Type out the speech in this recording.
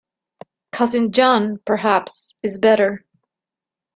Cousin John, perhaps, is better.